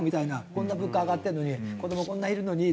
こんな物価上がってるのに子どもこんないるのにみたいなですね。